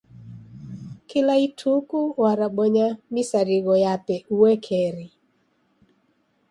Kila ituku warabonya misarigho yape uekeri.